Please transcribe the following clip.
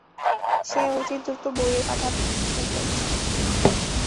সে অতি দ্রুত বইয়ের পাতা উল্টাচ্ছে।